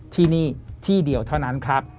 ที่นี่ที่เดียวเท่านั้นครับ